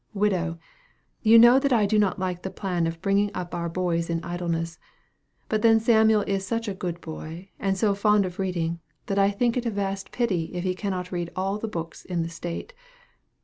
widow, you know that I do not like the plan of bringing up our boys in idleness. But then Samuel is such a good boy, and so fond of reading, that I think it a vast pity if he cannot read all the books in the state.